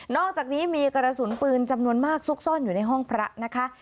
อกจากนี้มีกระสุนปืนจำนวนมากซุกซ่อนอยู่ในห้องพระนะคะ